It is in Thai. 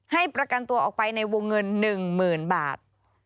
ให้ประกันตัวออกไปในวงเงิน๑๐๐๐บาท